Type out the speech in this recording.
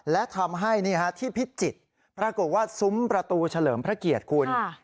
และทำให้ที่พิจิตรปรากฏว่าซุ้มประตูเฉลิมพระเกียรติคุณ